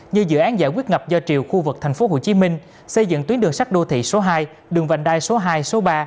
như dự án giải quyết ngập do triều khu vực tp hcm xây dựng tuyến đường sắt đô thị số hai đường vành đai số hai số ba